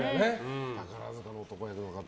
宝塚の男役の方は。